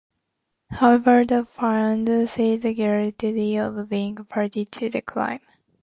However, they found Chit guilty of being party to the crime.